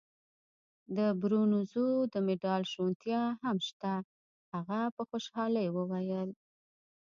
د برونزو د مډال شونتیا هم شته. هغه په خوشحالۍ وویل.